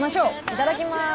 いただきます。